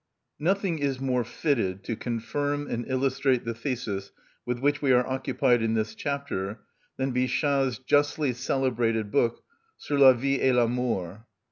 Nothing is more fitted to confirm and illustrate the thesis with which we are occupied in this chapter than Bichat's justly celebrated book, "Sur la vie et la mort."